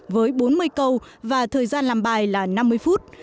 với bốn mươi câu và thời gian làm bài là năm mươi phút